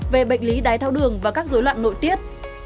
về bệnh lý đái tháo đường và các dối loạn nội tiết